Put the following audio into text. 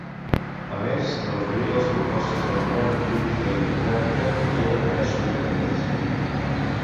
A més la majoria dels compostos de la moderna química inorgànica contenen enllaços orgànics.